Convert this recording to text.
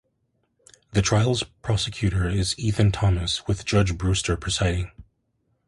The trial's prosecutor is Ethan Thomas, with Judge Brewster presiding.